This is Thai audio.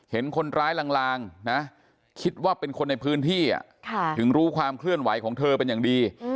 เห็นคนร้ายลางนะคิดว่าเป็นคนในพื้นที่ถึงรู้ความเคลื่อนไหวของเธอเป็นอย่างดี